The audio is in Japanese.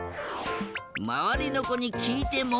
まわりのこにきいても。